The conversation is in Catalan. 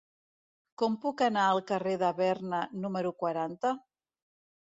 Com puc anar al carrer de Berna número quaranta?